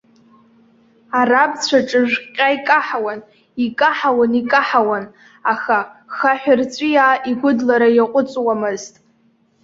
Арабцәа ҽыжәҟьҟьа икаҳауан, икаҳауан, икаҳауан, аха хаҳәрҵәиаа игәыдлара иаҟәыҵуамызт.